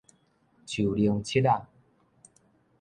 樹奶拭仔